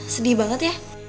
sedih banget ya